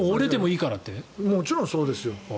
もちろんそうですよ。